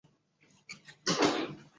途经大卫克洛科特国家森林。